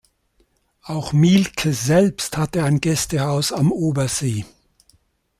Auch Mielke selbst hatte ein Gästehaus am Obersee.